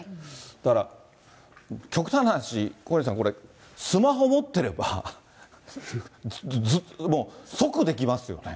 だから、極端な話、小西さん、これ、スマホ持ってれば、即できますよね。